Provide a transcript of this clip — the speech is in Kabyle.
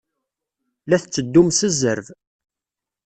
La tetteddum s zzerb.